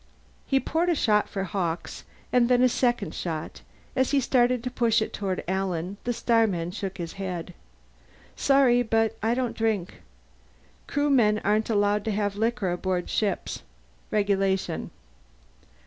He poured a shot for Hawkes and then a second shot; as he started to push it toward Alan, the starman shook his head. "Sorry, but I don't drink. Crewmen aren't allowed to have liquor aboard starships. Regulation."